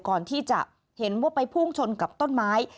ก่อนที่จะเห็นว่าไปพุ่งชนกับต้นไม้